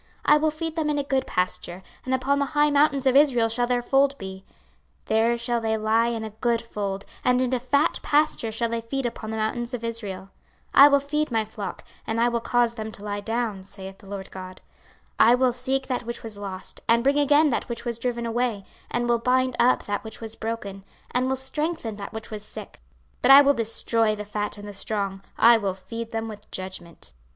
26:034:014 I will feed them in a good pasture, and upon the high mountains of Israel shall their fold be: there shall they lie in a good fold, and in a fat pasture shall they feed upon the mountains of Israel. 26:034:015 I will feed my flock, and I will cause them to lie down, saith the Lord GOD. 26:034:016 I will seek that which was lost, and bring again that which was driven away, and will bind up that which was broken, and will strengthen that which was sick: but I will destroy the fat and the strong; I will feed them with judgment.